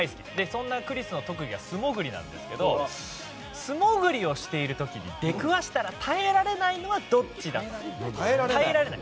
そんなクリスの特技は素潜りなんですけど素潜りしてる時に出くわしたら耐えられないのはどっち？